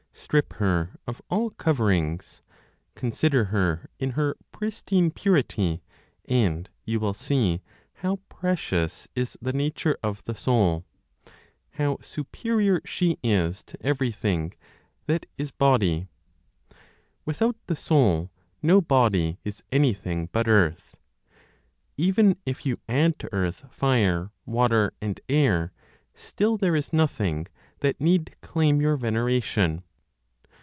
Strip her of all coverings, consider her in her pristine purity, and you will see how precious is the nature of the soul, how superior she is to everything that is body. Without the soul, no body is anything but earth. Even if you add to earth fire, water and air, still there is nothing that need claim your veneration.